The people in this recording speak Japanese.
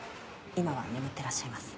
今は眠ってらっしゃいます。